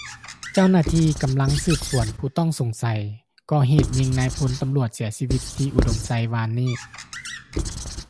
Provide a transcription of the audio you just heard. ເຈົ້າໜ້າທີ່ກຳລັງສືບສວນຜູ້ຕ້ອງສົງໄສກໍ່ເຫດຍີງນາຍພັນຕຳຫຼວດເສຍຊີວິດ ທີ່ອຸດົມໄຊວານນີ້